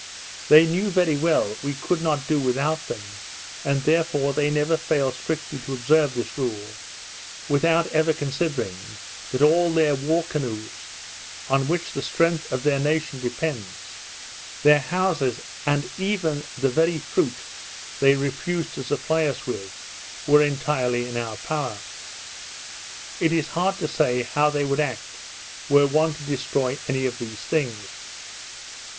They knew very well we could not do without them, and therefore they never failed strictly to observe this rule, without ever considering, that all their war canoes, on which the strength of their nation depends, their houses, and even the very fruit they refused to supply us with, were entirely in our power. It is hard to say how they would act, were one to destroy any of these things.